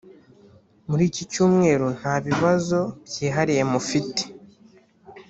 Muri iki cyumweru nta bibazo byihariye mufite